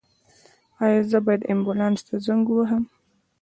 ایا زه باید امبولانس ته زنګ ووهم؟